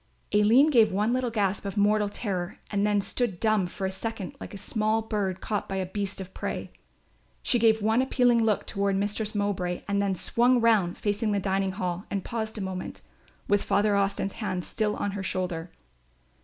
Aline gave one little gasp of mortal terror and then stood dumb for a second like a small bird caught by a beast of prey. She gave one appealing look toward Mistress Mowbray and then swung round facing the dining hall and paused a moment, with Father Austin's hand still on her shoulder.